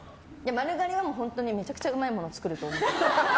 丸刈りは本当にめちゃくちゃうまいもの作ると思ってる。